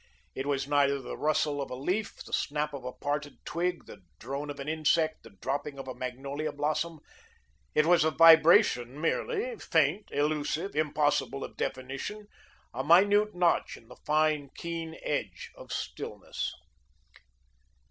It was neither the rustle of a leaf, the snap of a parted twig, the drone of an insect, the dropping of a magnolia blossom. It was a vibration merely, faint, elusive, impossible of definition; a minute notch in the fine, keen edge of stillness.